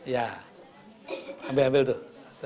ya ambil ambil tuh